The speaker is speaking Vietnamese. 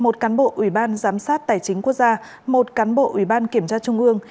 một cán bộ ủy ban giám sát tài chính quốc gia một cán bộ ủy ban kiểm tra trung ương